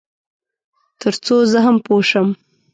تر څو زه هم پوه شم.